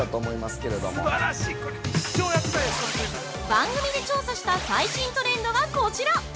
◆番組で調査した最新トレンドがこちら！